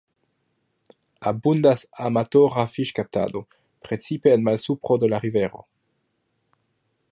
Abundas amatora fiŝkaptado, precipe en malsupro de la rivero.